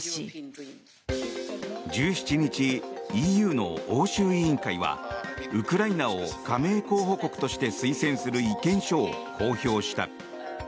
１７日、ＥＵの欧州委員会はウクライナを加盟候補国として推薦する意見書を公表した。